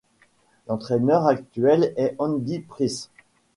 L'entraîneur actuel est Andy Preece.